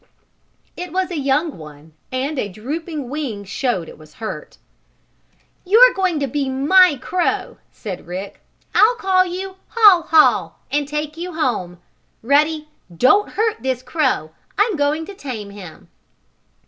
It was a young one, and a drooping wing showed it was hurt. "You're going to be my crow!" said Rick. "I'll call you Haw Haw, and take you home. Ruddy, don't hurt this crow! I'm going to tame him!"